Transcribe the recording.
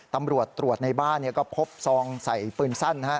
ตำรวจตรวจในบ้านก็พบซองใส่ปืนสั้น